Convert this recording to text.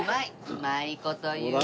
うまい事言うな。